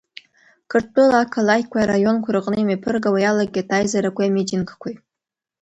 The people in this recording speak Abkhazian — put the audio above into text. Қырҭтәыла ақалақьқәеи араионқәеи рҟны имҩаԥыргауа иалагеит аизарақәеи амитингқәеи.